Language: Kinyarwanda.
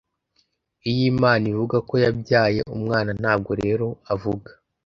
Iyo Imana ivuga ko "yabyaye" Umwana ntabwo rero avuga